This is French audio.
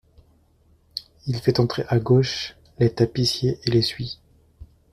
Il fait entrer à gauche les tapissiers et les suit.